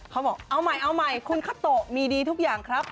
เขาบอกเอาใหม่คุณคาโต๊ะมีดีทุกอย่างครับ